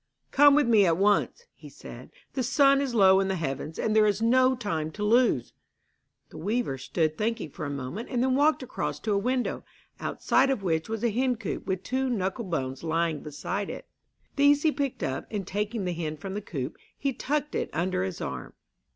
'Come with me at once,' he said. 'The sun is low in the heavens, and there is no time to lose.' The weaver stood thinking for a moment and then walked across to a window, outside of which was a hen coop with two knuckle bones lying beside it. These he picked up, and taking the hen from the coop, he tucked it under his arm.